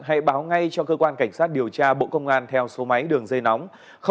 hãy báo ngay cho cơ quan cảnh sát điều tra bộ công an theo số máy đường dây nóng